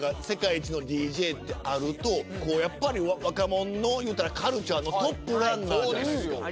世界一のＤＪってあるとこうやっぱり若者のいうたらカルチャーのトップランナーですよ。